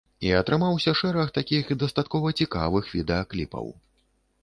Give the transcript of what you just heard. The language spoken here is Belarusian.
І атрымаўся шэраг такіх дастаткова цікавых відэакліпаў.